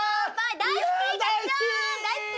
大好き！